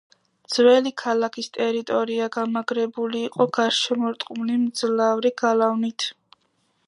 ძველი ქალაქის ტერიტორია გამაგრებული იყო გარშემორტყმული მძლავრი გალავნით.